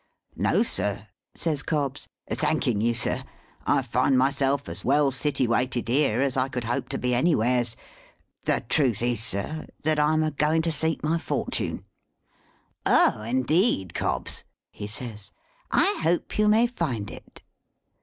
"No, sir," says Cobbs; "thanking you, sir, I find myself as well sitiwated here as I could hope to be anywheres. The truth is, sir, that I'm a going to seek my fortun'." "O, indeed, Cobbs!" he says; "I hope you may find it."